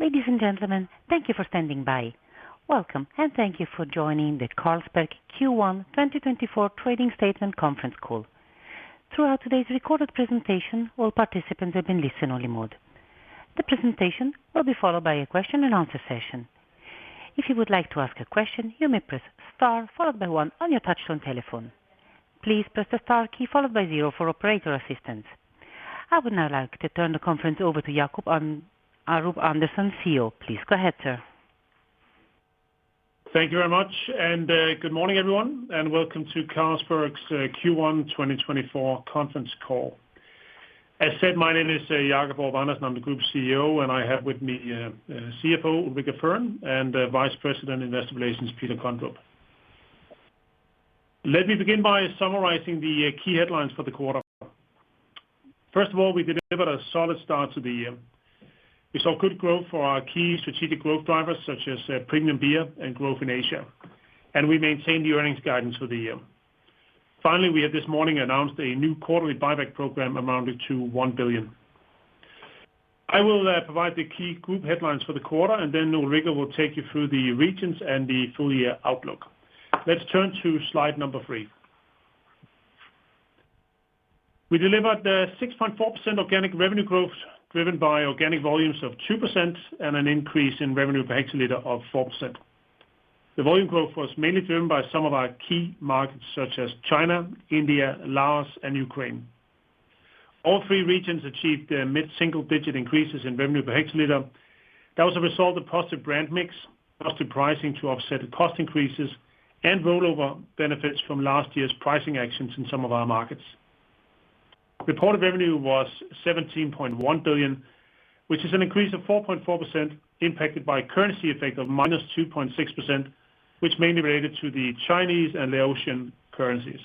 Ladies and gentlemen, thank you for standing by. Welcome, and thank you for joining the Carlsberg Q1 2024 Trading Statement Conference Call. Throughout today's recorded presentation, all participants will be in listen-only mode. The presentation will be followed by a question-and-answer session. If you would like to ask a question, you may press * followed by 1 on your touchscreen telephone. Please press the * key followed by 0 for operator assistance. I would now like to turn the conference over to Jacob Aarup-Andersen, CEO. Please go ahead, sir. Thank you very much. Good morning, everyone, and welcome to Carlsberg's Q1 2024 Conference Call. As said, my name is Jacob Aarup-Andersen. I'm the Group CEO, and I have with me CFO Ulrica Fearn and Vice President Investor Relations Peter Kondrup. Let me begin by summarizing the key headlines for the quarter. First of all, we delivered a solid start to the year. We saw good growth for our key strategic growth drivers such as premium beer and growth in Asia, and we maintained the earnings guidance for the year. Finally, we have this morning announced a new quarterly buyback program amounting to 1 billion. I will provide the key group headlines for the quarter, and then Ulrica will take you through the regions and the full-year outlook. Let's turn to slide number 3. We delivered 6.4% organic revenue growth driven by organic volumes of 2% and an increase in revenue per hectoliter of 4%. The volume growth was mainly driven by some of our key markets such as China, India, Laos, and Ukraine. All three regions achieved mid-single-digit increases in revenue per hectoliter. That was a result of positive brand mix, positive pricing to offset cost increases, and rollover benefits from last year's pricing actions in some of our markets. Reported revenue was 17.1 billion, which is an increase of 4.4% impacted by a currency effect of -2.6%, which mainly related to the Chinese and Laotian currencies.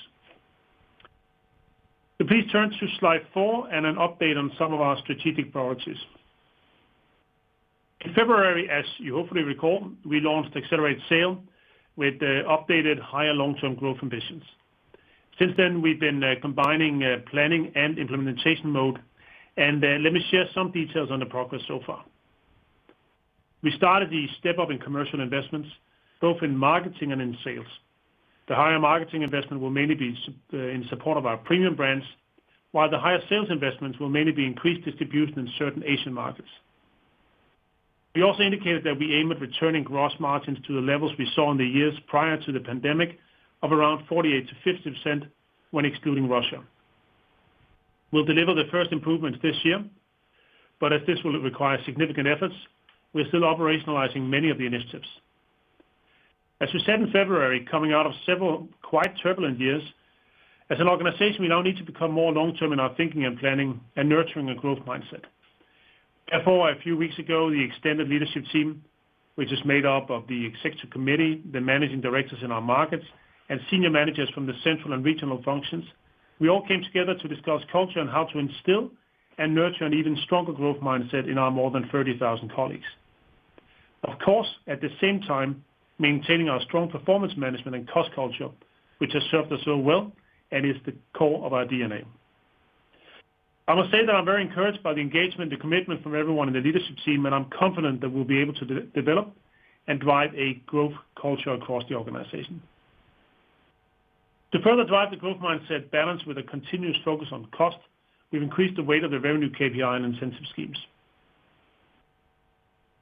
So please turn to slide 4 and an update on some of our strategic priorities. In February, as you hopefully recall, we launched Accelerate SAIL with updated higher long-term growth ambitions. Since then, we've been combining planning and implementation mode. Let me share some details on the progress so far. We started the step-up in commercial investments, both in marketing and in sales. The higher marketing investment will mainly be used in support of our premium brands, while the higher sales investments will mainly be increased distribution in certain Asian markets. We also indicated that we aim at returning gross margins to the levels we saw in the years prior to the pandemic of around 48%-50% when excluding Russia. We'll deliver the first improvements this year, but as this will require significant efforts, we're still operationalizing many of the initiatives. As we said in February, coming out of several quite turbulent years, as an organization, we now need to become more long-term in our thinking and planning and nurturing a growth mindset. Therefore, a few weeks ago, the extended leadership team, which is made up of the Executive Committee, the managing directors in our markets, and senior managers from the central and regional functions, we all came together to discuss culture and how to instill and nurture an even stronger growth mindset in our more than 30,000 colleagues. Of course, at the same time, maintaining our strong performance management and cost culture, which has served us so well and is the core of our DNA. I must say that I'm very encouraged by the engagement, the commitment from everyone in the leadership team, and I'm confident that we'll be able to develop and drive a growth culture across the organization. To further drive the growth mindset balanced with a continuous focus on cost, we've increased the weight of the revenue KPI and incentive schemes.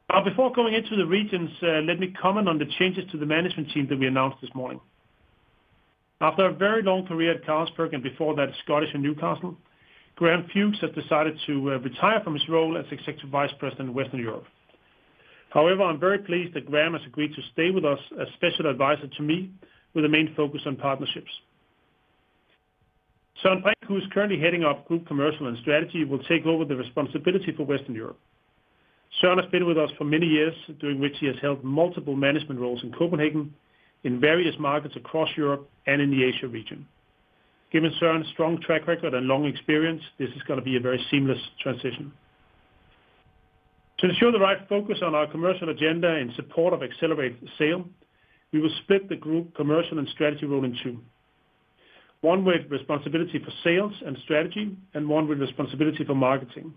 Now, before going into the regions, let me comment on the changes to the management team that we announced this morning. After a very long career at Carlsberg and before that at Scottish & Newcastle, Graham Fewkes has decided to retire from his role as executive vice president in Western Europe. However, I'm very pleased that Graham has agreed to stay with us as special advisor to me with a main focus on partnerships. Søren Brinck, who is currently heading up Group Commercial and Strategy, will take over the responsibility for Western Europe. Søren has been with us for many years, during which he has held multiple management roles in Copenhagen, in various markets across Europe, and in the Asia region. Given Søren's strong track record and long experience, this is gonna be a very seamless transition. To ensure the right focus on our commercial agenda in support of Accelerate SAIL, we will split the Group Commercial and Strategy role in two. One with responsibility for sales and strategy, and one with responsibility for marketing,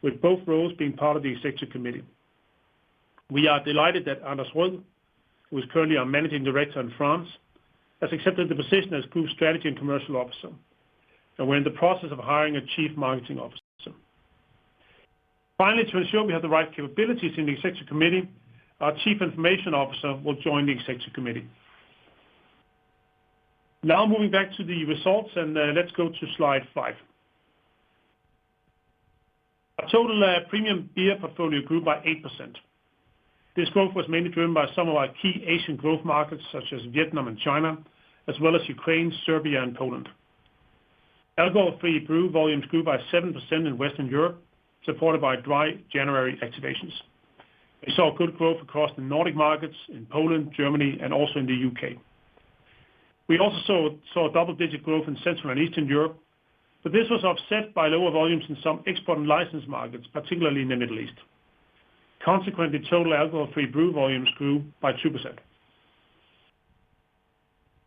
with both roles being part of the Executive Committee. We are delighted that Anders Røed, who is currently our Managing Director in France, has accepted the position as Group Strategy and Commercial Officer, and we're in the process of hiring a Chief Marketing Officer. Finally, to ensure we have the right capabilities in the Executive Committee, our Chief Information Officer will join the Executive Committee. Now moving back to the results, let's go to slide 5. Total premium beer portfolio grew by 8%. This growth was mainly driven by some of our key Asian growth markets such as Vietnam and China, as well as Ukraine, Serbia, and Poland. Alcohol-free brew volumes grew by 7% in Western Europe, supported by Dry January activations. We saw good growth across the Nordic markets in Poland, Germany, and also in the U.K. We also saw double-digit growth in Central and Eastern Europe, but this was offset by lower volumes in some export and license markets, particularly in the Middle East. Consequently, total alcohol-free brew volumes grew by 2%.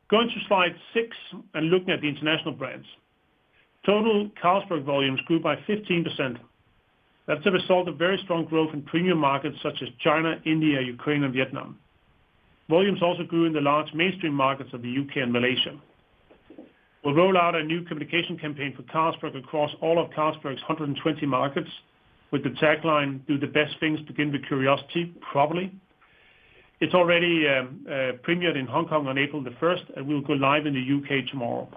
Going to slide 6 and looking at the international brands. Total Carlsberg volumes grew by 15%. That's a result of very strong growth in premium markets such as China, India, Ukraine, and Vietnam. Volumes also grew in the large mainstream markets of the U.K. and Malaysia. We'll roll out a new communication campaign for Carlsberg across all of Carlsberg's 120 markets with the tagline "Do the best things, begin with curiosity, properly." It's already premiered in Hong Kong on April 1, and we'll go live in the U.K. tomorrow.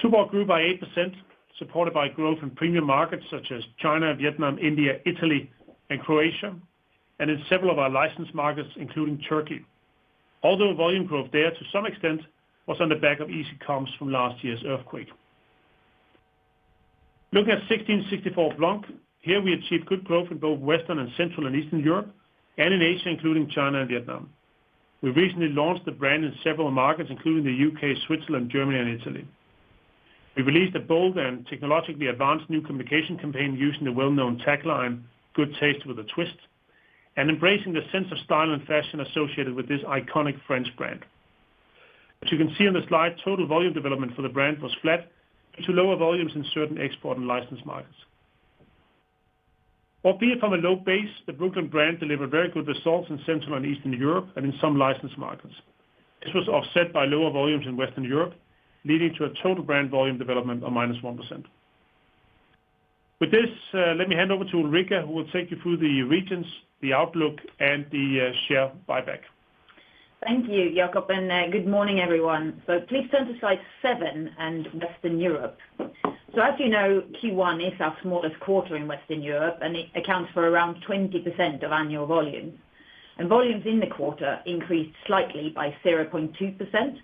Tuborg grew by 8%, supported by growth in premium markets such as China, Vietnam, India, Italy, and Croatia, and in several of our license markets, including Turkey. Although volume growth there, to some extent, was on the back of easy comps from last year's earthquake. Looking at 1664 Blanc, here we achieved good growth in both Western and Central and Eastern Europe, and in Asia, including China and Vietnam. We recently launched the brand in several markets, including the U.K., Switzerland, Germany, and Italy. We released a bold and technologically advanced new communication campaign using the well-known tagline "Good taste with a twist," and embracing the sense of style and fashion associated with this iconic French brand. As you can see on the slide, total volume development for the brand was flat due to lower volumes in certain export and license markets. While beer from a low base, the Brooklyn brand delivered very good results in Central and Eastern Europe and in some license markets. This was offset by lower volumes in Western Europe, leading to a total brand volume development of -1%. With this, let me hand over to Ulrica, who will take you through the regions, the outlook, and the share buyback. Thank you, Jacob. Good morning, everyone. Please turn to slide 7 and Western Europe. As you know, Q1 is our smallest quarter in Western Europe, and it accounts for around 20% of annual volumes. Volumes in the quarter increased slightly by 0.2%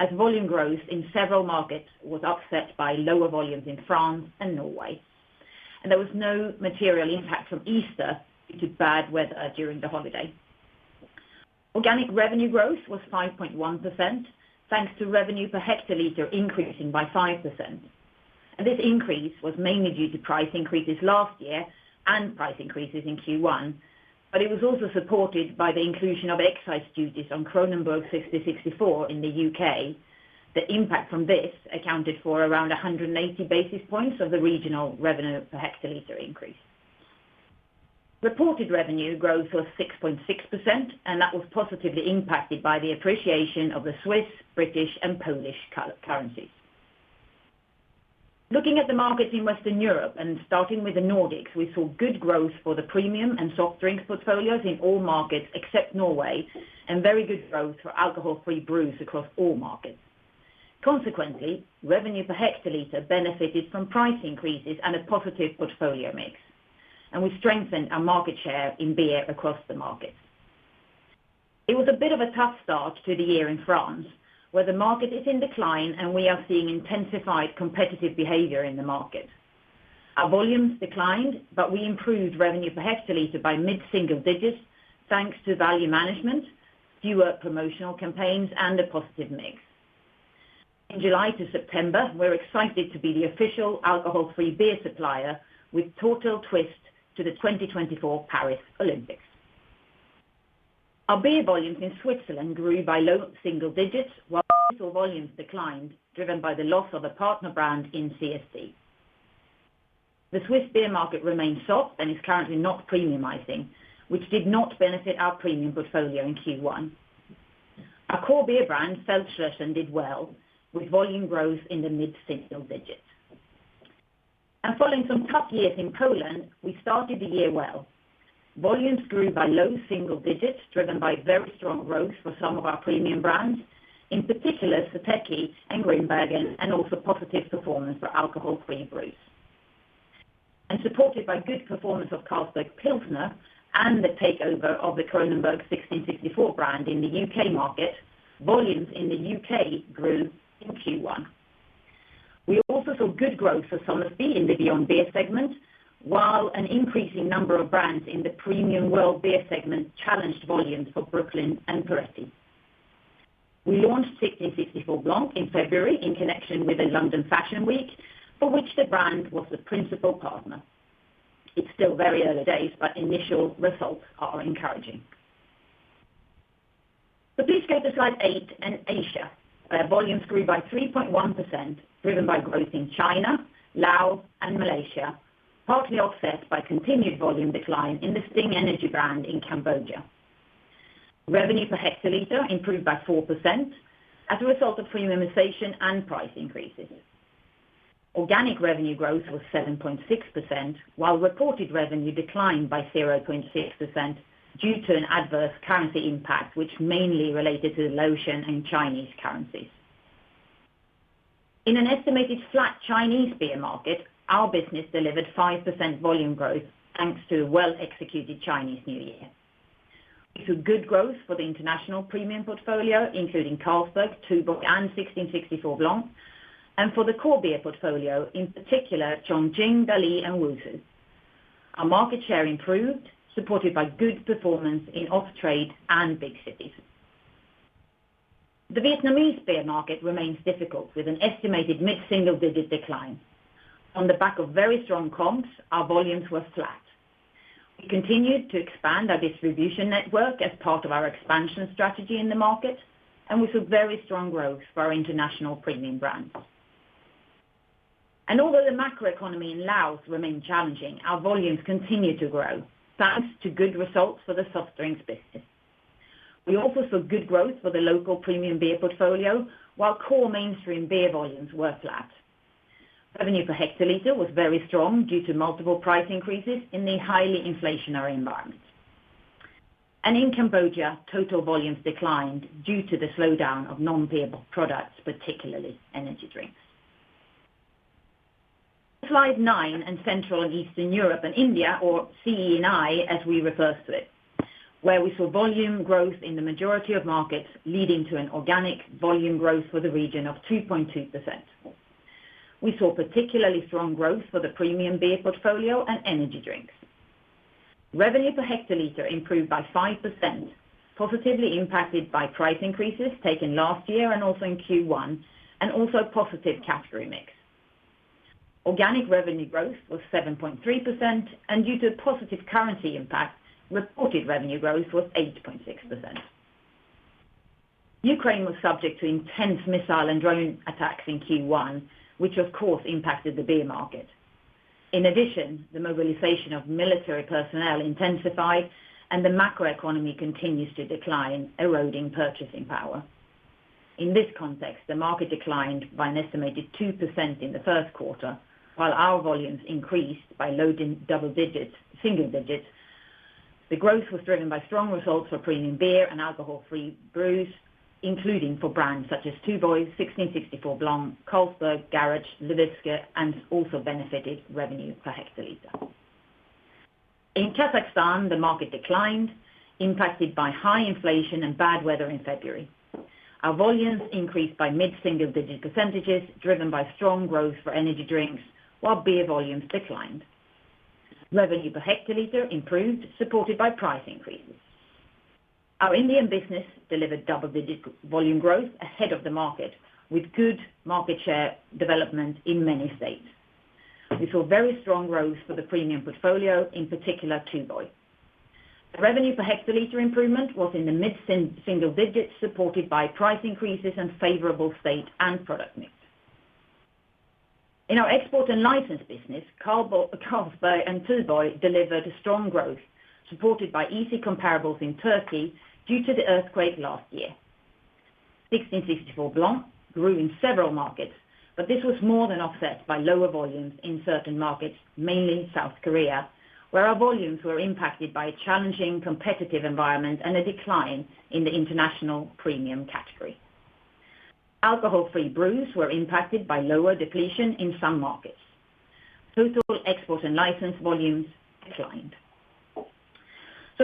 as volume growth in several markets was offset by lower volumes in France and Norway. There was no material impact from Easter due to bad weather during the holiday. Organic revenue growth was 5.1%, thanks to revenue per hectoliter increasing by 5%. This increase was mainly due to price increases last year and price increases in Q1, but it was also supported by the inclusion of excise duties on Kronenbourg 1664 in the U.K.. The impact from this accounted for around 180 basis points of the regional revenue per hectoliter increase. Reported revenue growth was 6.6%, and that was positively impacted by the appreciation of the Swiss, British, and Polish currencies. Looking at the markets in Western Europe and starting with the Nordics, we saw good growth for the premium and soft drinks portfolios in all markets except Norway, and very good growth for alcohol-free brews across all markets. Consequently, revenue per hectoliter benefited from price increases and a positive portfolio mix, and we strengthened our market share in beer across the markets. It was a bit of a tough start to the year in France, where the market is in decline and we are seeing intensified competitive behavior in the market. Our volumes declined, but we improved revenue per hectoliter by mid-single digits, thanks to value management, fewer promotional campaigns, and a positive mix. In July to September, we're excited to be the official alcohol-free beer supplier with Tourtel Twist to the 2024 Paris Olympics. Our beer volumes in Switzerland grew by low single digits, while total volumes declined, driven by the loss of a partner brand in CSC. The Swiss beer market remained soft and is currently not premiumizing, which did not benefit our premium portfolio in Q1. Our core beer brand, Feldschlösschen, did well, with volume growth in the mid-single digits. And following some tough years in Poland, we started the year well. Volumes grew by low single digits, driven by very strong growth for some of our premium brands, in particular Žatecký and Grimbergen, and also positive performance for alcohol-free brews. And supported by good performance of Carlsberg Pilsner and the takeover of the Kronenbourg 1664 brand in the U.K. market, volumes in the U.K. grew in Q1. We also saw good growth for some in the beyond-beer segment, while an increasing number of brands in the premium world beer segment challenged volumes for Brooklyn and Peroni. We launched 1664 Blanc in February in connection with the London Fashion Week, for which the brand was the principal partner. It's still very early days, but initial results are encouraging. So please go to slide 8 and Asia. Volumes grew by 3.1%, driven by growth in China, Laos, and Malaysia, partly offset by continued volume decline in the Sting Energy brand in Cambodia. Revenue per hectoliter improved by 4% as a result of premiumization and price increases. Organic revenue growth was 7.6%, while reported revenue declined by 0.6% due to an adverse currency impact, which mainly related to Laotian and Chinese currencies. In an estimated flat Chinese beer market, our business delivered 5% volume growth, thanks to a well-executed Chinese New Year. We saw good growth for the international premium portfolio, including Carlsberg, Tuborg, and 1664 Blanc, and for the core beer portfolio, in particular Chongqing, Dali, and Wusu. Our market share improved, supported by good performance in off-trade and big cities. The Vietnamese beer market remains difficult, with an estimated mid-single digit decline. On the back of very strong comms, our volumes were flat. We continued to expand our distribution network as part of our expansion strategy in the market, and we saw very strong growth for our international premium brands. And although the macroeconomy in Laos remained challenging, our volumes continued to grow, thanks to good results for the soft drinks business. We also saw good growth for the local premium beer portfolio, while core mainstream beer volumes were flat. Revenue per hectoliter was very strong due to multiple price increases in the highly inflationary environment. In Cambodia, total volumes declined due to the slowdown of non-beer products, particularly energy drinks. Slide 9 and Central and Eastern Europe and India, or CE&I as we refer to it, where we saw volume growth in the majority of markets, leading to an organic volume growth for the region of 2.2%. We saw particularly strong growth for the premium beer portfolio and energy drinks. Revenue per hectoliter improved by 5%, positively impacted by price increases taken last year and also in Q1, and also positive category mix. Organic revenue growth was 7.3%, and due to positive currency impact, reported revenue growth was 8.6%. Ukraine was subject to intense missile and drone attacks in Q1, which, of course, impacted the beer market. In addition, the mobilization of military personnel intensified, and the macroeconomy continues to decline, eroding purchasing power. In this context, the market declined by an estimated 2% in the first quarter, while our volumes increased by low double digits, single digits. The growth was driven by strong results for premium beer and alcohol-free brews, including for brands such as Tuborg, 1664 Blanc, Carlsberg, Garage, Lvivske, and also benefited revenue per hectoliter. In Kazakhstan, the market declined, impacted by high inflation and bad weather in February. Our volumes increased by mid-single digit percentages, driven by strong growth for energy drinks, while beer volumes declined. Revenue per hectoliter improved, supported by price increases. Our Indian business delivered double-digit volume growth ahead of the market, with good market share development in many states. We saw very strong growth for the premium portfolio, in particular Tuborg. Revenue per hectoliter improvement was in the mid-single digits, supported by price increases and favorable state and product mix. In our export and license business, Carlsberg and Tuborg delivered strong growth, supported by easy comparables in Turkey due to the earthquake last year. 1664 Blanc grew in several markets, but this was more than offset by lower volumes in certain markets, mainly South Korea, where our volumes were impacted by a challenging competitive environment and a decline in the international premium category. Alcohol-free brews were impacted by lower depletion in some markets. Total export and license volumes declined.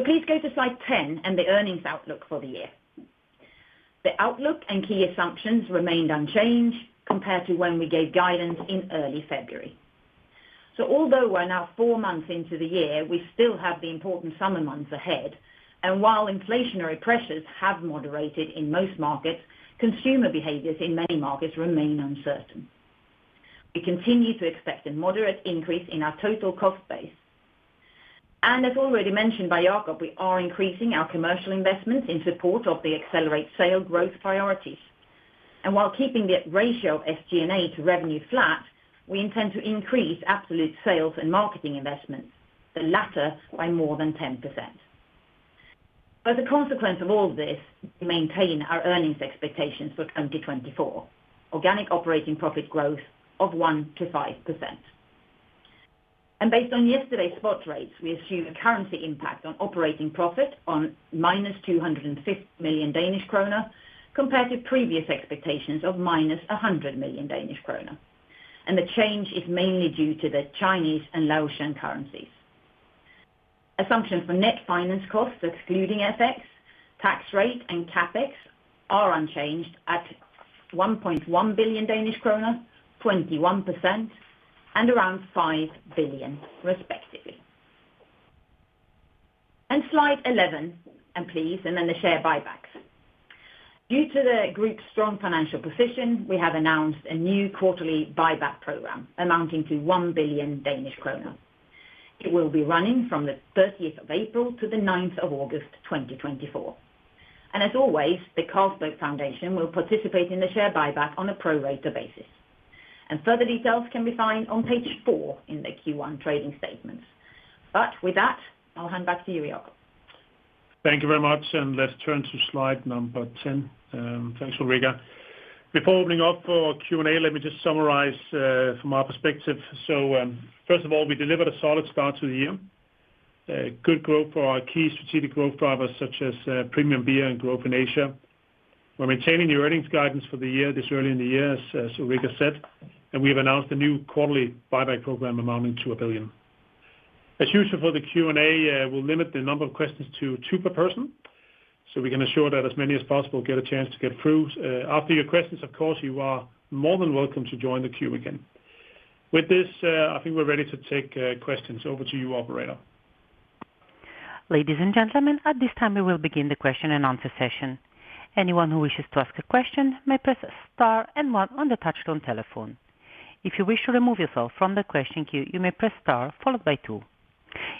Please go to slide 10 and the earnings outlook for the year. The outlook and key assumptions remained unchanged compared to when we gave guidance in early February. Although we're now four months into the year, we still have the important summer months ahead, and while inflationary pressures have moderated in most markets, consumer behaviors in many markets remain uncertain. We continue to expect a moderate increase in our total cost base. As already mentioned by Jacob, we are increasing our commercial investments in support of the Accelerate SAIL growth priorities. While keeping the ratio of SG&A to revenue flat, we intend to increase absolute sales and marketing investments, the latter by more than 10%. As a consequence of all of this, we maintain our earnings expectations for 2024, organic operating profit growth of 1%-5%. Based on yesterday's spot rates, we assume a currency impact on operating profit on -250 million Danish kroner compared to previous expectations of -100 million Danish kroner. The change is mainly due to the Chinese and Laotian currencies. Assumptions for net finance costs, excluding FX, tax rate, and CapEx are unchanged at 1.1 billion Danish kroner, 21%, and around 5 billion, respectively. Slide 11 and then the share buybacks. Due to the group's strong financial position, we have announced a new quarterly buyback program amounting to 1 billion Danish kroner. It will be running from the 30th of April to the 9th of August 2024. As always, the Carlsberg Foundation will participate in the share buyback on a pro rata basis. Further details can be found on page 4 in the Q1 trading statements. But with that, I'll hand back to you, Jacob. Thank you very much. Let's turn to slide number 10. Thanks, Ulrica. Before opening up for Q&A, let me just summarize, from our perspective. So, first of all, we delivered a solid start to the year. Good growth for our key strategic growth drivers such as premium beer and growth in Asia. We're maintaining the earnings guidance for the year this early in the year, as Ulrica said, and we have announced a new quarterly buyback program amounting to 1 billion. As usual for the Q&A, we'll limit the number of questions to two per person, so we can assure that as many as possible get a chance to get through. After your questions, of course, you are more than welcome to join the queue again. With this, I think we're ready to take questions. Over to you, operator. Ladies and gentlemen, at this time, we will begin the question and answer session. Anyone who wishes to ask a question may press star and one on the touch-tone telephone. If you wish to remove yourself from the question queue, you may press star followed by two.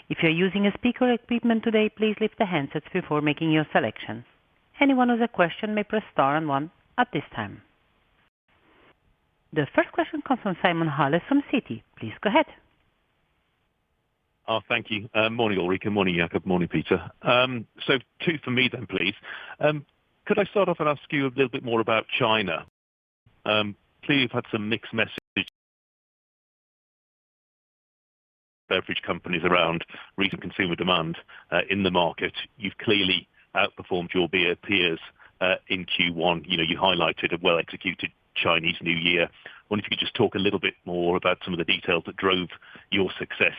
If you're using a speaker equipment today, please lift the handsets before making your selection. Anyone with a question may press star and one at this time. The first question comes from Simon Hales from Citi. Please go ahead. Oh, thank you. Morning, Ulrica. Morning, Jacob. Morning, Peter. So two for me then, please. Could I start off and ask you a little bit more about China? Clearly, you've had some mixed message beverage companies around recent consumer demand in the market. You've clearly outperformed your beer peers in Q1. You know, you highlighted a well-executed Chinese New Year. I wonder if you could just talk a little bit more about some of the details that drove your success,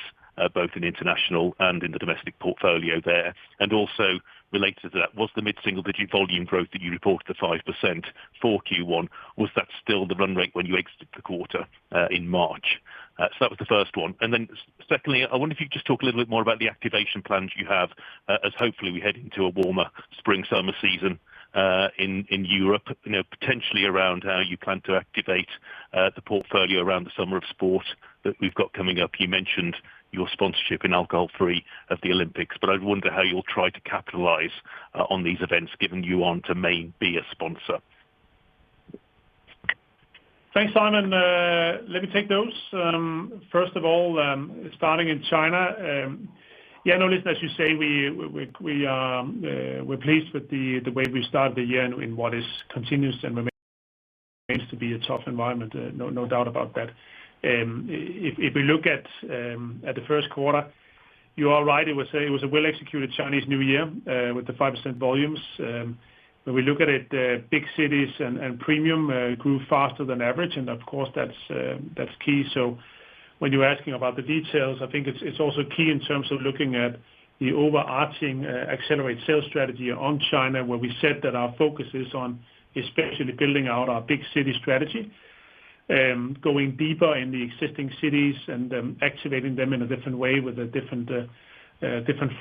both in international and in the domestic portfolio there. And also related to that, was the mid-single digit volume growth that you reported, the 5% for Q1, was that still the run rate when you exited the quarter in March? So that was the first one. And then secondly, I wonder if you could just talk a little bit more about the activation plans you have, as hopefully we head into a warmer spring-summer season, in Europe, you know, potentially around how you plan to activate the portfolio around the Summer of Sport that we've got coming up. You mentioned your sponsorship in alcohol-free of the Olympics, but I'd wonder how you'll try to capitalize on these events given you aren't a main beer sponsor? Thanks, Simon. Let me take those. First of all, starting in China, yeah, no, listen, as you say, we're pleased with the way we started the year and in what is continuous and remains to be a tough environment. No doubt about that. If we look at the first quarter, you're right. It was a well-executed Chinese New Year, with the 5% volumes. When we look at it, big cities and premium grew faster than average, and of course, that's key. So when you're asking about the details, I think it's also key in terms of looking at the overarching Accelerate SAIL strategy in China, where we said that our focus is on especially building out our big city strategy, going deeper in the existing cities and activating them in a different way with a different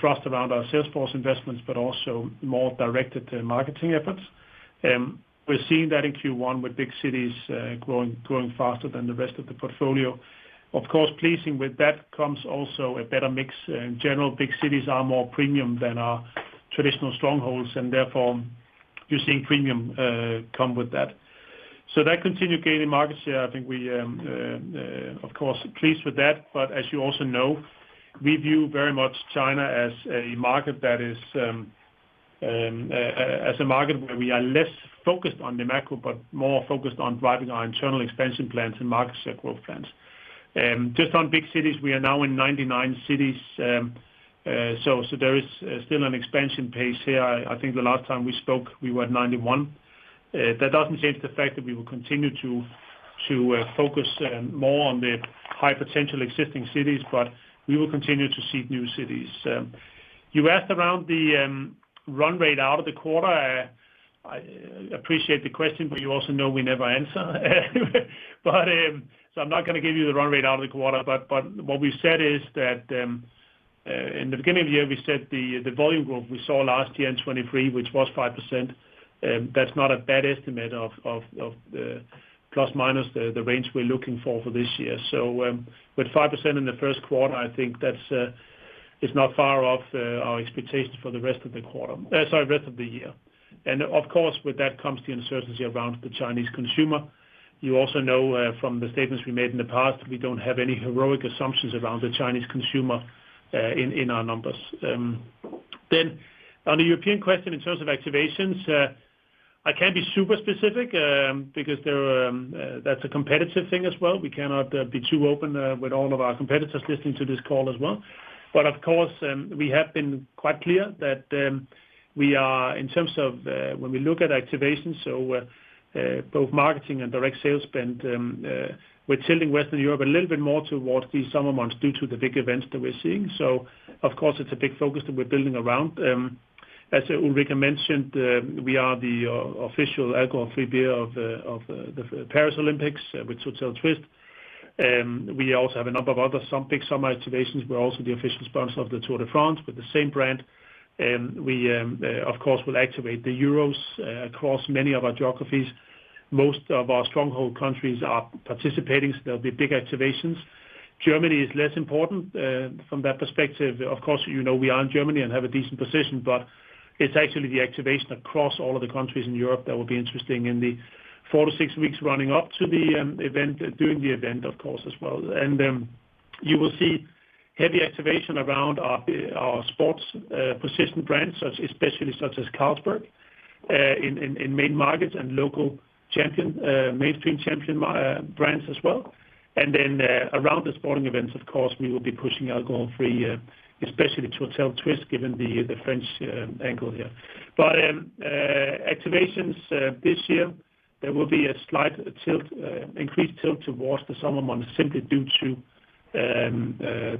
thrust around our sales force investments, but also more directed to marketing efforts. We're seeing that in Q1 with big cities growing faster than the rest of the portfolio. Of course, pleasing with that comes also a better mix. In general, big cities are more premium than our traditional strongholds, and therefore, you're seeing premium come with that. So that continued gain in market share. I think we, of course, pleased with that. But as you also know, we view very much China as a market that is, as a market where we are less focused on the macro but more focused on driving our internal expansion plans and market share growth plans. Just on big cities, we are now in 99 cities, so there is still an expansion pace here. I think the last time we spoke, we were at 91. That doesn't change the fact that we will continue to focus more on the high potential existing cities, but we will continue to seed new cities. You asked around the run rate out of the quarter. I appreciate the question, but you also know we never answer. I'm not gonna give you the run rate out of the quarter, but what we said is that, in the beginning of the year, we said the volume growth we saw last year in 2023, which was 5%, that's not a bad estimate of the plus-minus the range we're looking for for this year. So, with 5% in the first quarter, I think that's not far off our expectations for the rest of the year. And of course, with that comes the uncertainty around the Chinese consumer. You also know, from the statements we made in the past, we don't have any heroic assumptions around the Chinese consumer in our numbers. Then on the European question in terms of activations, I can't be super specific, because that's a competitive thing as well. We cannot be too open with all of our competitors listening to this call as well. But of course, we have been quite clear that we are in terms of when we look at activations, so both marketing and direct sales spend, we're tilting Western Europe a little bit more towards these summer months due to the big events that we're seeing. So of course, it's a big focus that we're building around. As Ulrica mentioned, we are the official Alcohol-Free Beer of the Paris Olympics with Tourtel Twist. We also have a number of other big summer activations. We're also the official sponsor of the Tour de France with the same brand. We of course will activate the euros across many of our geographies. Most of our stronghold countries are participating, so there'll be big activations. Germany is less important from that perspective. Of course, you know we are in Germany and have a decent position, but it's actually the activation across all of the countries in Europe that will be interesting in the four to six weeks running up to the event during the event, of course, as well. You will see heavy activation around our sports position brands, especially such as Carlsberg, in main markets and local champion mainstream champion brands as well. And then, around the sporting events, of course, we will be pushing alcohol-free, especially Tourtel Twist given the French angle here. But activations this year there will be a slight tilt, increased tilt towards the summer months simply due to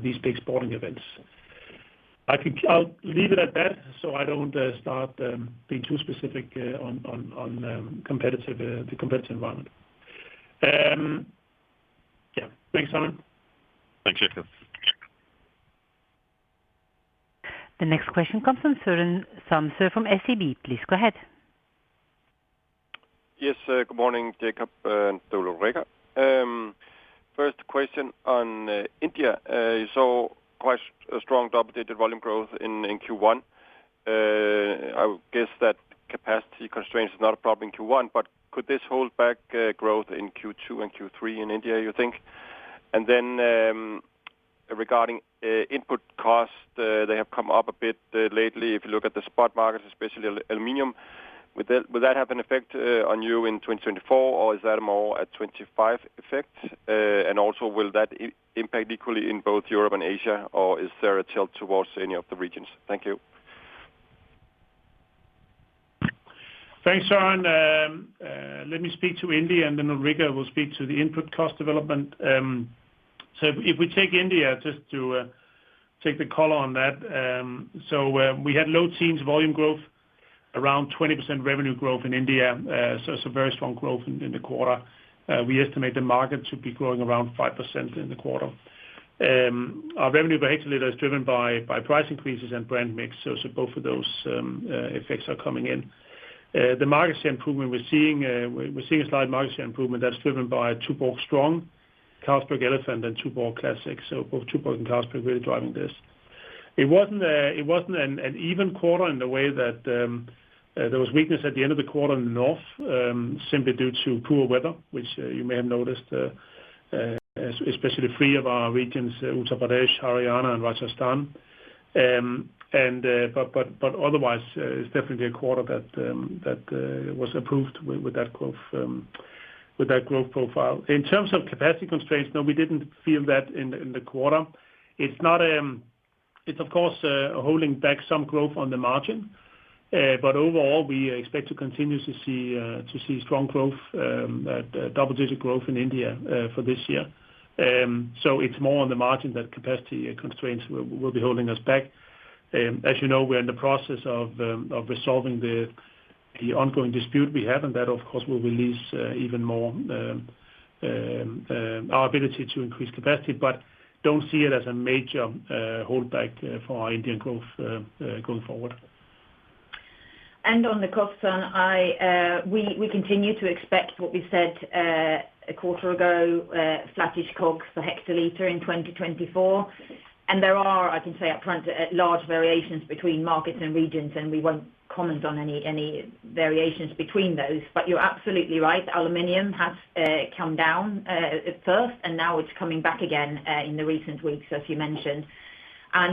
these big sporting events. I can, I'll leave it at that so I don't start being too specific on the competitive environment. Yeah. Thanks, Simon. Thanks, Jacob. The next question comes from Søren Samsøe from SEB. Please go ahead. Yes. Good morning, Jacob, and to Ulrica. First question on India. You saw quite a strong double-digit volume growth in Q1. I would guess that capacity constraints is not a problem in Q1, but could this hold back growth in Q2 and Q3 in India, you think? And then, regarding input cost, they have come up a bit lately if you look at the spot markets, especially aluminum. Will that have an effect on you in 2024, or is that more at 2025 effect? And also, will that impact equally in both Europe and Asia, or is there a tilt towards any of the regions? Thank you. Thanks, Søren. Let me speak to India, and then Ulrica will speak to the input cost development. So if we take India just to take the color on that, so we had low teens volume growth, around 20% revenue growth in India, so very strong growth in the quarter. We estimate the market to be growing around 5% in the quarter. Our revenue per hectoliter is driven by price increases and brand mix, so both of those effects are coming in. The market share improvement we're seeing, we're seeing a slight market share improvement that's driven by Tuborg Strong, Carlsberg Elephant, and Tuborg Classic. So both Tuborg and Carlsberg really driving this. It wasn't an even quarter in the way that there was weakness at the end of the quarter in the north, simply due to poor weather, which you may have noticed, especially three of our regions, Uttar Pradesh, Haryana, and Rajasthan. But otherwise, it's definitely a quarter that was approved with that growth, with that growth profile. In terms of capacity constraints, no, we didn't feel that in the quarter. It's not, of course, holding back some growth on the margin. But overall, we expect to continue to see strong growth, double-digit growth in India, for this year. So it's more on the margin that capacity constraints will be holding us back. As you know, we're in the process of resolving the ongoing dispute we have, and that, of course, will release even more our ability to increase capacity. But don't see it as a major holdback for our Indian growth, going forward. On the cost, Søren, I, we, we continue to expect what we said a quarter ago, flattish COGS per hectoliter in 2024. There are, I can say upfront, large variations between markets and regions, and we won't comment on any, any variations between those. But you're absolutely right. Aluminum has come down at first, and now it's coming back again in the recent weeks, as you mentioned.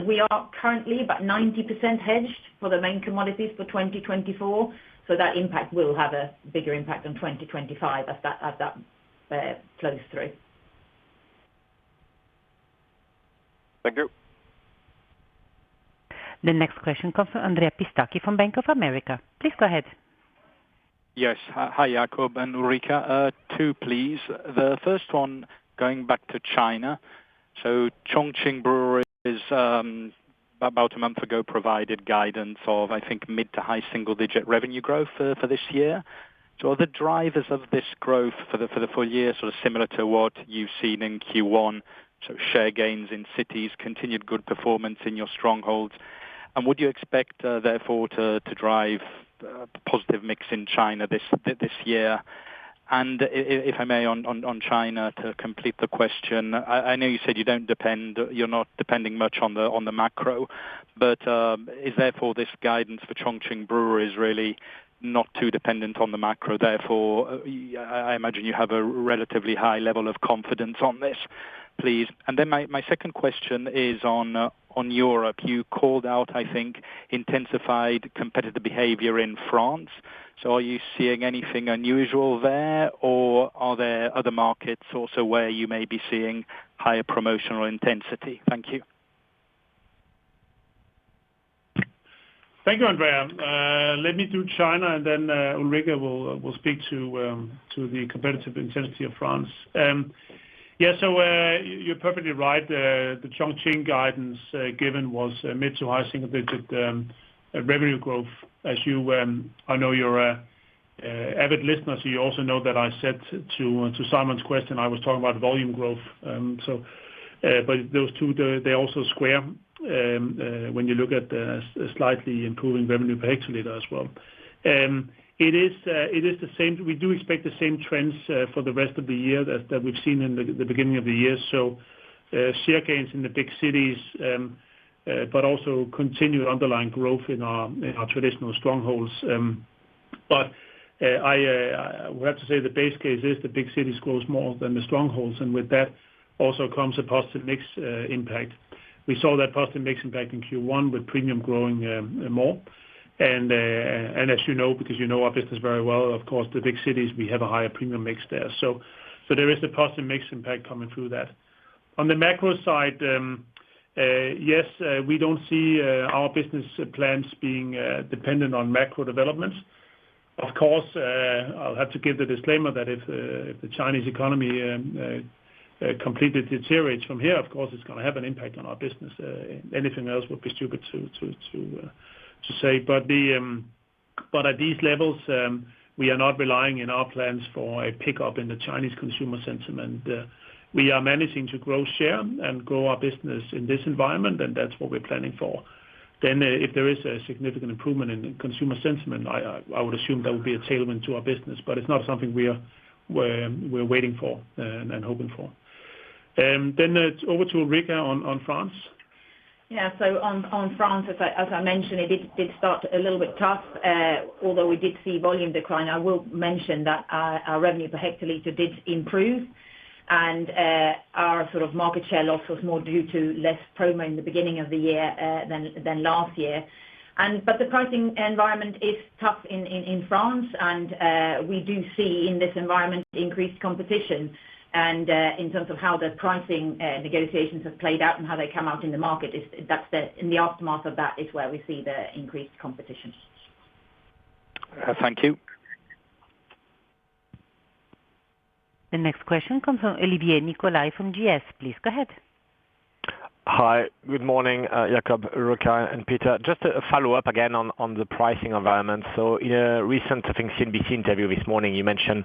We are currently about 90% hedged for the main commodities for 2024, so that impact will have a bigger impact on 2025 as that flows through. Thank you. The next question comes from Andrea Pistacchi from Bank of America. Please go ahead. Yes. Hi, Jacob and Ulrica. Two, please. The first one, going back to China. So Chongqing Brewery's, about a month ago provided guidance of, I think, mid- to high single-digit revenue growth for this year. So are the drivers of this growth for the full year sort of similar to what you've seen in Q1? So share gains in cities, continued good performance in your strongholds. And would you expect, therefore, to drive positive mix in China this year? And if I may, on China to complete the question, I know you said you don't depend, you're not depending much on the macro, but is therefore this guidance for Chongqing Brewery really not too dependent on the macro? Therefore, you, I imagine you have a relatively high level of confidence on this. Please. Then my second question is on Europe. You called out, I think, intensified competitive behavior in France. So are you seeing anything unusual there, or are there other markets also where you may be seeing higher promotional intensity? Thank you. Thank you, Andrea. Let me do China, and then Ulrica will speak to the competitive intensity of France. Yeah, so you're perfectly right. The Chongqing guidance given was mid- to high-single-digit revenue growth, as you—I know you're an avid listener—so you also know that I said to Simon's question, I was talking about volume growth. So, but those two, they also square when you look at the slightly improving revenue per hectoliter as well. It is the same we do expect the same trends for the rest of the year as that we've seen in the beginning of the year. So, share gains in the big cities, but also continued underlying growth in our traditional strongholds. But I would have to say the base case is the big cities grow more than the strongholds, and with that also comes a positive mix impact. We saw that positive mix impact in Q1 with premium growing more. And as you know because you know our business very well, of course, the big cities we have a higher premium mix there. So there is a positive mix impact coming through that. On the macro side, yes, we don't see our business plans being dependent on macro developments. Of course, I'll have to give the disclaimer that if the Chinese economy completely deteriorates from here, of course, it's gonna have an impact on our business. Anything else would be stupid to say. But at these levels, we are not relying in our plans for a pickup in the Chinese consumer sentiment. We are managing to grow share and grow our business in this environment, and that's what we're planning for. Then, if there is a significant improvement in consumer sentiment, I would assume there would be a tailwind to our business, but it's not something we are waiting for, and hoping for. Then, over to Ulrica on France. Yeah. So on France, as I mentioned, it did start a little bit tough, although we did see volume decline. I will mention that our revenue per hectoliter did improve, and our sort of market share loss was more due to less promo in the beginning of the year than last year. But the pricing environment is tough in France, and we do see in this environment increased competition. In terms of how the pricing negotiations have played out and how they come out in the market, it's that in the aftermath of that is where we see the increased competition. Thank you. The next question comes from Olivier Nicolai from GS. Please go ahead. Hi. Good morning, Jacob, Ulrica, and Peter. Just a follow-up again on the pricing environment. So in a recent, I think, CNBC interview this morning, you mentioned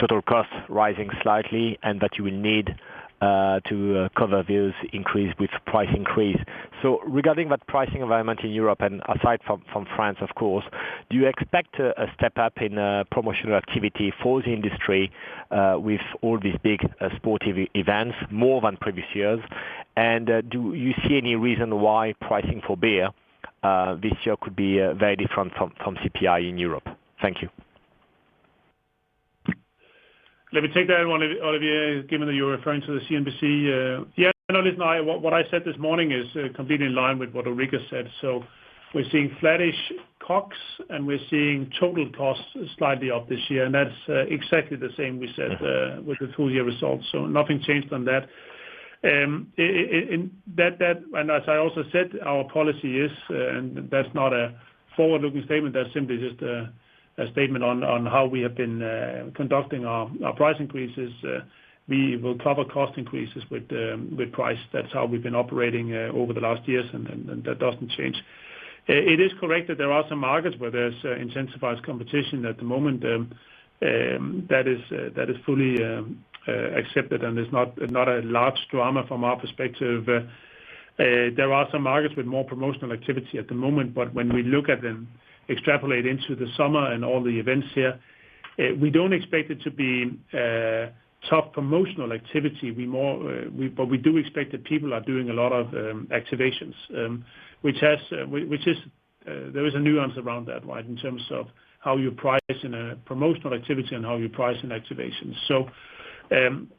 total costs rising slightly and that you will need to cover those increase with price increase. So regarding that pricing environment in Europe and aside from France, of course, do you expect a step up in promotional activity for the industry, with all these big sporty events more than previous years? And do you see any reason why pricing for beer this year could be very different from CPI in Europe? Thank you. Let me take that one, Olivier, given that you're referring to the CNBC. Yeah, no, listen, I, what I said this morning is completely in line with what Ulrica said. So we're seeing flattish COGS, and we're seeing total costs slightly up this year, and that's exactly the same we said with the full-year results. So nothing changed on that. In that, and as I also said, our policy is, and that's not a forward-looking statement. That's simply just a statement on how we have been conducting our price increases. We will cover cost increases with price. That's how we've been operating over the last years, and that doesn't change. It is correct that there are some markets where there's intensified competition at the moment. That is fully accepted, and it's not a large drama from our perspective. There are some markets with more promotional activity at the moment, but when we look at them, extrapolate into the summer and all the events here, we don't expect it to be tough promotional activity. We but we do expect that people are doing a lot of activations, which is a nuance around that, right, in terms of how you price in promotional activity and how you price in activations. So,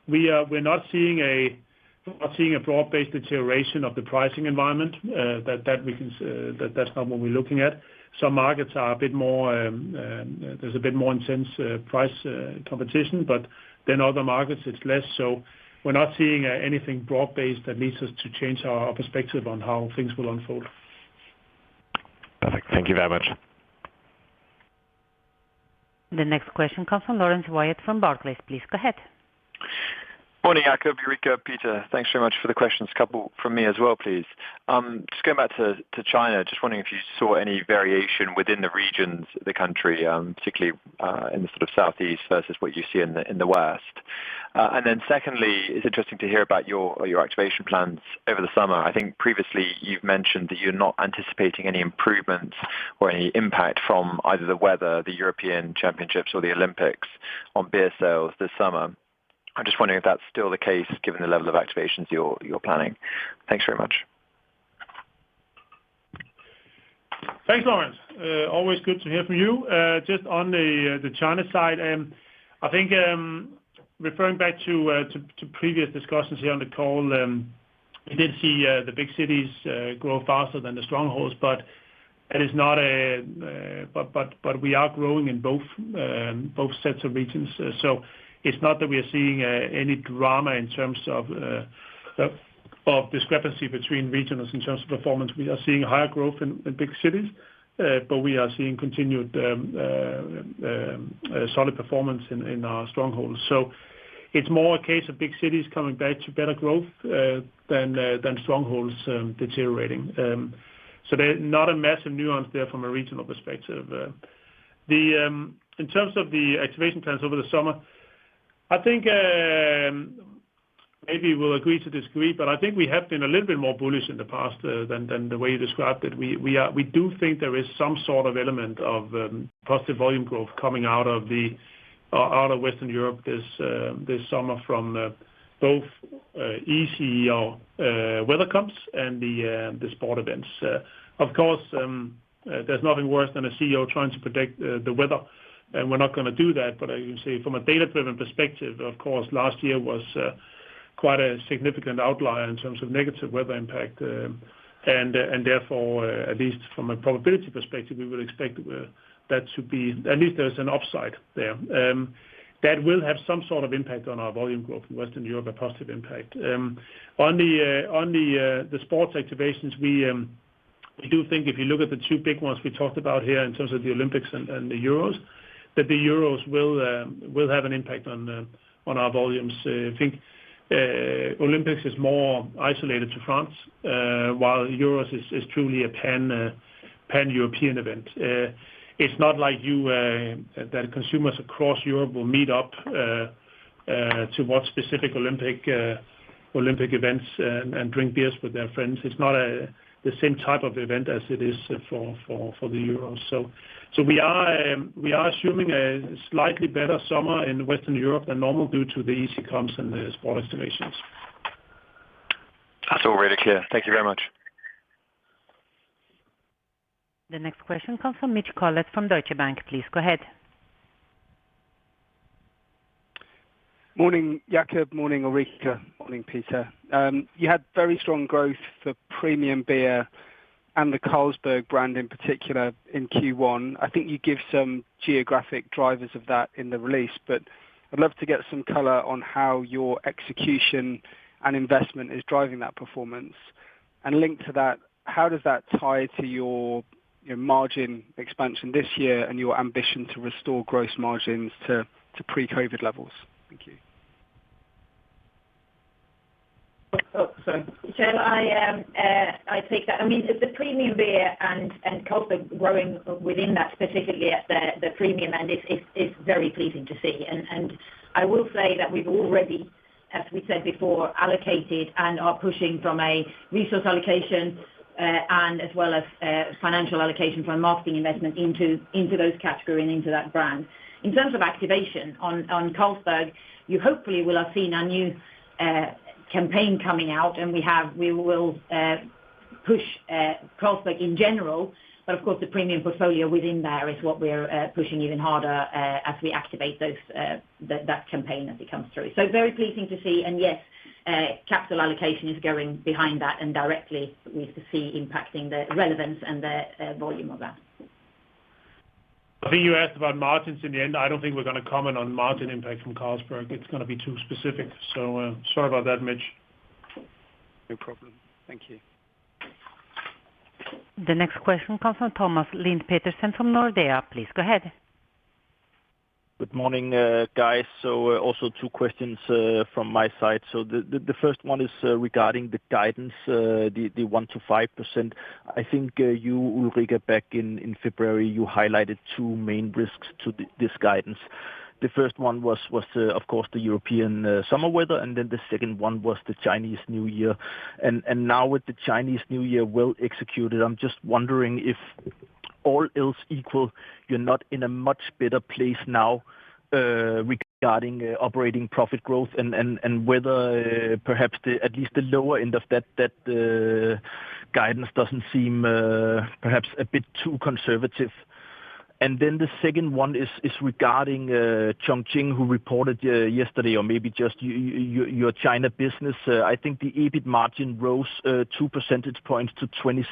we're not seeing a broad-based deterioration of the pricing environment that we can see. That's not what we're looking at. Some markets are a bit more, there's a bit more intense price competition, but then other markets, it's less. So we're not seeing anything broad-based that leads us to change our perspective on how things will unfold. Perfect. Thank you very much. The next question comes from Laurence Wyatt from Barclays. Please go ahead. Morning, Jacob, Ulrica, Peter. Thanks very much for the questions. A couple from me as well, please. Just going back to China, just wondering if you saw any variation within the regions of the country, particularly in the sort of Southeast versus what you see in the West. And then secondly, it's interesting to hear about your activation plans over the summer. I think previously, you've mentioned that you're not anticipating any improvements or any impact from either the weather, the European Championships, or the Olympics on beer sales this summer. I'm just wondering if that's still the case given the level of activations you're planning. Thanks very much. Thanks, Laurence. Always good to hear from you. Just on the China side, I think, referring back to previous discussions here on the call, we did see the big cities grow faster than the strongholds, but it is not a but we are growing in both sets of regions. So it's not that we are seeing any drama in terms of discrepancy between regions in terms of performance. We are seeing higher growth in big cities, but we are seeing continued solid performance in our strongholds. So it's more a case of big cities coming back to better growth than strongholds deteriorating. So there's not a massive nuance there from a regional perspective. In terms of the activation plans over the summer, I think, maybe we'll agree to disagree, but I think we have been a little bit more bullish in the past, than the way you described it. We are, we do think there is some sort of element of positive volume growth coming out of Western Europe this summer from both CEO, weather comps and the sport events. Of course, there's nothing worse than a CEO trying to predict the weather, and we're not gonna do that. But I can say from a data-driven perspective, of course, last year was quite a significant outlier in terms of negative weather impact, and therefore, at least from a probability perspective, we would expect that to be at least there's an upside there. That will have some sort of impact on our volume growth in Western Europe, a positive impact. On the sports activations, we do think if you look at the two big ones we talked about here in terms of the Olympics and the Euros, that the Euros will have an impact on our volumes. I think Olympics is more isolated to France, while Euros is truly a pan-European event. It's not like that consumers across Europe will meet up to watch specific Olympic events and drink beers with their friends. It's not the same type of event as it is for the Euros. So we are assuming a slightly better summer in Western Europe than normal due to the easy comps and the sports activations. Awesome, Ulrica. Thank you very much. The next question comes from Mitch Collett from Deutsche Bank. Please go ahead. Morning, Jacob. Morning, Ulrica. Morning, Peter. You had very strong growth for premium beer and the Carlsberg brand in particular in Q1. I think you give some geographic drivers of that in the release, but I'd love to get some color on how your execution and investment is driving that performance. And linked to that, how does that tie to your margin expansion this year and your ambition to restore gross margins to pre-COVID levels? Thank you. Oh, sorry. Michele, I take that. I mean, the premium beer and Carlsberg growing within that, specifically at the premium end, it's very pleasing to see. And I will say that we've already, as we said before, allocated and are pushing from a resource allocation, and as well as financial allocation from marketing investment into those category and into that brand. In terms of activation on Carlsberg, you hopefully will have seen a new campaign coming out, and we will push Carlsberg in general, but of course, the premium portfolio within there is what we're pushing even harder, as we activate that campaign as it comes through. So very pleasing to see. And yes, capital allocation is going behind that and directly. We see impacting the relevance and the volume of that. I think you asked about margins in the end. I don't think we're gonna comment on margin impact from Carlsberg. It's gonna be too specific. So, sorry about that, Mitch. No problem. Thank you. The next question comes from Thomas Lind Petersen from Nordea. Please go ahead. Good morning, guys. So, also two questions, from my side. So the first one is, regarding the guidance, the 1%-5%. I think, you, Ulrica, back in February, you highlighted two main risks to this guidance. The first one was, of course, the European summer weather, and then the second one was the Chinese New Year. And now with the Chinese New Year well executed, I'm just wondering if all else equal, you're not in a much better place now, regarding operating profit growth and whether, perhaps the at least the lower end of that guidance doesn't seem, perhaps a bit too conservative. And then the second one is, regarding Chongqing, who reported yesterday or maybe just you, your China business. I think the EBIT margin rose 2 percentage points to 26%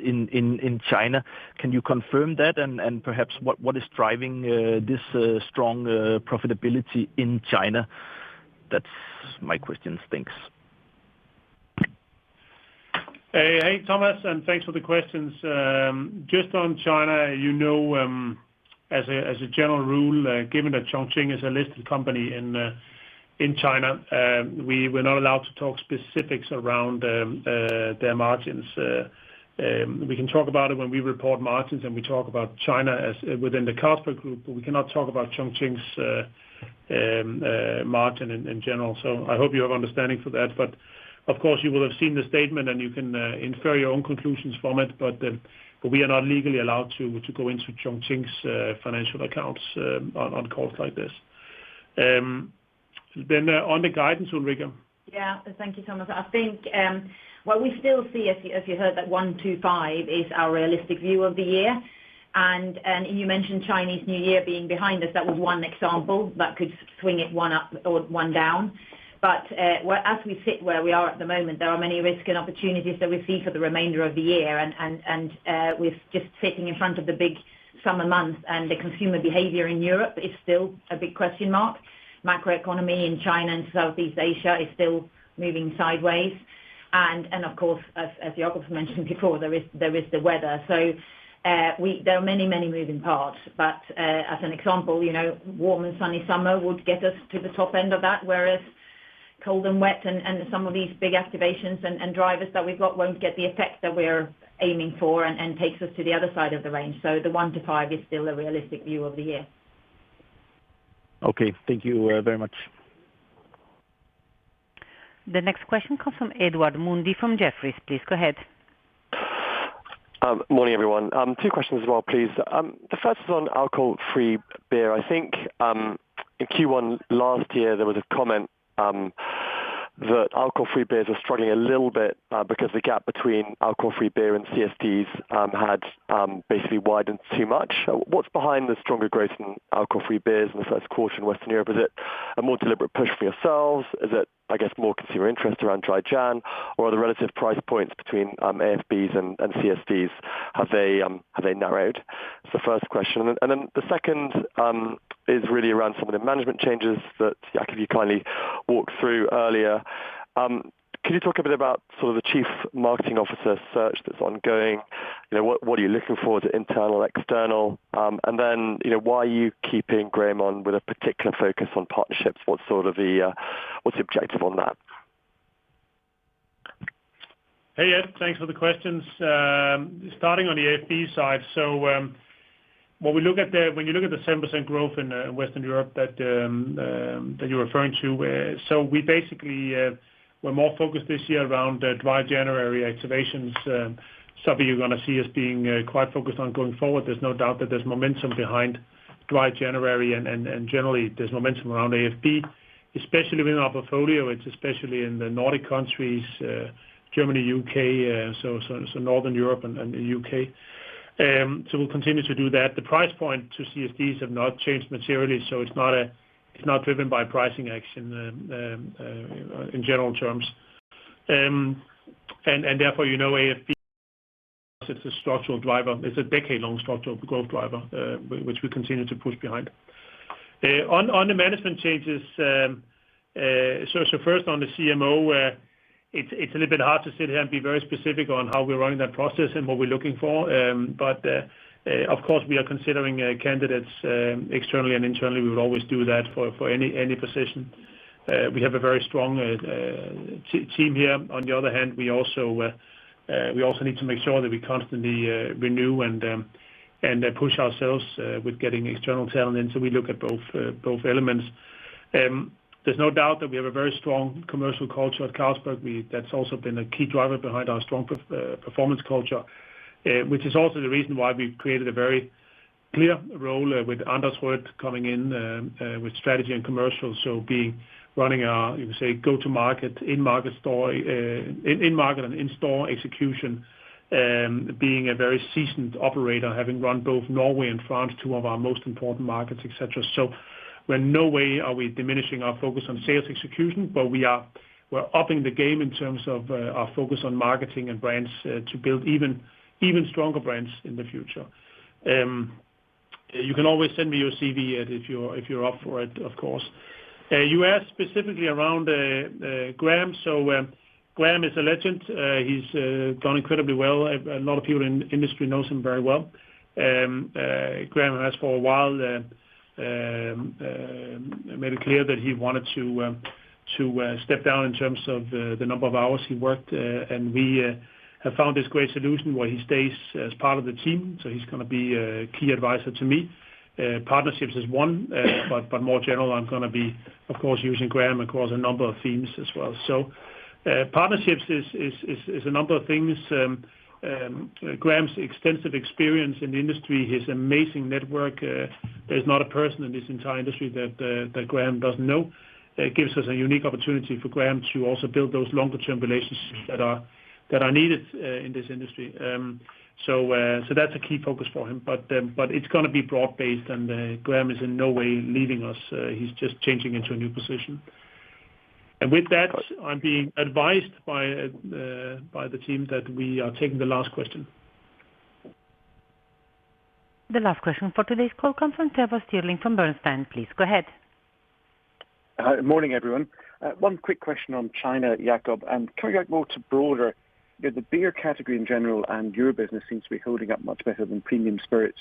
in China. Can you confirm that? And perhaps what is driving this strong profitability in China? That's my questions. Thanks. Hey, hey, Thomas. And thanks for the questions. Just on China, you know, as a general rule, given that Chongqing is a listed company in China, we're not allowed to talk specifics around their margins. We can talk about it when we report margins, and we talk about China as within the Carlsberg Group, but we cannot talk about Chongqing's margin in general. So I hope you have understanding for that. But we are not legally allowed to go into Chongqing's financial accounts on calls like this. Then, on the guidance, Ulrica. Yeah. Thank you, Thomas. I think, what we still see as you heard, that 1%-5% is our realistic view of the year. And, you mentioned Chinese New Year being behind us. That was one example that could swing it one up or one down. But, as we sit where we are at the moment, there are many risk and opportunities that we see for the remainder of the year. And, we're just sitting in front of the big summer months, and the consumer behavior in Europe is still a big question mark. Macroeconomy in China and Southeast Asia is still moving sideways. And, of course, as Jacob mentioned before, there is the weather. So, there are many, many moving parts. But, as an example, you know, warm and sunny summer would get us to the top end of that, whereas cold and wet, and some of these big activations and drivers that we've got won't get the effect that we're aiming for, and takes us to the other side of the range. So the 1%-5% is still a realistic view of the year. Okay. Thank you, very much. The next question comes from Edward Mundy from Jefferies. Please go ahead. Morning, everyone. Two questions as well, please. The first is on alcohol-free beer. I think, in Q1 last year, there was a comment, that alcohol-free beers were struggling a little bit, because the gap between alcohol-free beer and CSDs, had, basically widened too much. What's behind the stronger growth in alcohol-free beers in the first quarter in Western Europe? Is it a more deliberate push from yourselves? Is it, I guess, more consumer interest around Dry January, or are the relative price points between, AFBs and, and CSDs have they, have they narrowed? It's the first question. And, and then the second, is really around some of the management changes that, Jacob, you kindly walked through earlier. Can you talk a bit about sort of the Chief Marketing Officer search that's ongoing? You know, what, what are you looking for, the internal, external? Then, you know, why are you keeping Graham on with a particular focus on partnerships? What's sort of the, what's the objective on that? Hey, Ed. Thanks for the questions. Starting on the AFB side, so, what we look at there when you look at the 7% growth in Western Europe that you're referring to, so we basically, we're more focused this year around Dry January activations. Something you're gonna see as being quite focused on going forward. There's no doubt that there's momentum behind Dry January, and generally, there's momentum around AFB, especially within our portfolio. It's especially in the Nordic countries, Germany, U.K., so Northern Europe and the U.K.. So we'll continue to do that. The price point to CSDs have not changed materially, so it's not driven by pricing action, in general terms. And therefore, you know, AFB, it's a structural driver. It's a decade-long structural growth driver, which we continue to push behind. On the management changes, so first on the CMO, it's a little bit hard to sit here and be very specific on how we're running that process and what we're looking for. But, of course, we are considering candidates externally and internally. We would always do that for any position. We have a very strong team here. On the other hand, we also need to make sure that we constantly renew and push ourselves with getting external talent in. So we look at both elements. There's no doubt that we have a very strong commercial culture at Carlsberg. That's also been a key driver behind our strong performance culture, which is also the reason why we've created a very clear role, with Anders Røpke coming in, with strategy and commercial. So, being running our—you could say—go-to-market, in-market, store, in-market and in-store execution, being a very seasoned operator, having run both Norway and France, two of our most important markets, etc. So we're in no way are we diminishing our focus on sales execution, but we're upping the game in terms of our focus on marketing and brands, to build even stronger brands in the future. You can always send me your CV, Ed, if you're up for it, of course. You asked specifically around Graham. So, Graham is a legend. He's done incredibly well. A lot of people in industry know him very well. Graham has for a while made it clear that he wanted to step down in terms of the number of hours he worked. We have found this great solution where he stays as part of the team. So he's gonna be key advisor to me. Partnerships is one, but more general, I'm gonna be, of course, using Graham across a number of themes as well. So, partnerships is a number of things. Graham's extensive experience in the industry, his amazing network, there's not a person in this entire industry that Graham doesn't know. It gives us a unique opportunity for Graham to also build those longer-term relationships that are needed in this industry. So that's a key focus for him. But it's gonna be broad-based, and Graham is in no way leaving us. He's just changing into a new position. And with that, I'm being advised by the team that we are taking the last question. The last question for today's call conference. Trevor Stirling from Bernstein, please go ahead. Morning, everyone. One quick question on China, Jacob. And coming back more to broader, you know, the beer category in general and your business seems to be holding up much better than premium spirits.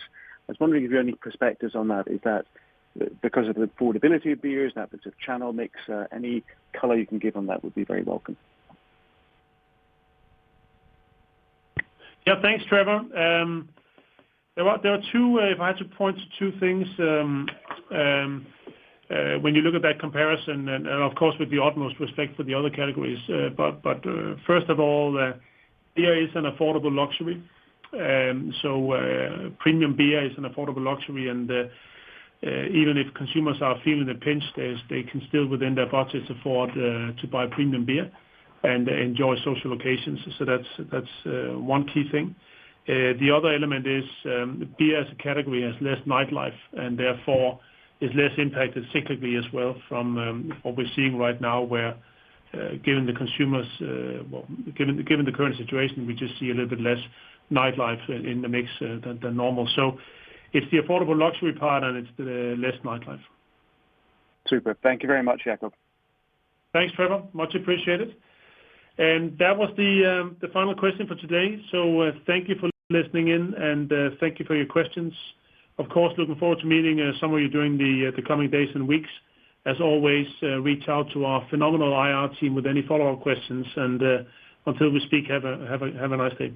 I was wondering if you had any perspectives on that. Is that because of the affordability of beers, that because of channel mix, any color you can give on that would be very welcome. Yeah. Thanks, Trevor. There are two, if I had to point to two things, when you look at that comparison and, of course, with the utmost respect for the other categories, but first of all, beer is an affordable luxury. So, premium beer is an affordable luxury. And, even if consumers are feeling a pinch, they can still, within their budgets, afford to buy premium beer and enjoy social occasions. So that's one key thing. The other element is, beer as a category has less nightlife, and therefore, is less impacted cyclically as well from what we're seeing right now where, given the current situation, we just see a little bit less nightlife in the mix than normal. So it's the affordable luxury part, and it's less nightlife. Super. Thank you very much, Jacob. Thanks, Trevor. Much appreciated. That was the final question for today. Thank you for listening in, and thank you for your questions. Of course, looking forward to meeting some of you during the coming days and weeks. As always, reach out to our phenomenal IR team with any follow-up questions. Until we speak, have a nice day.